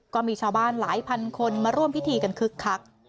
ก็มีชาวบ้านหลายพันคนมาร่วมพิธีกันคึกคัก